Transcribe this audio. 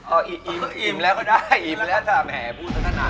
อ้าวไอ๋อี๋อี๋อิ่มแล้วก็ได้อี๋อิ่มแล้วค่ะแหมพูดเยอะแท้นาน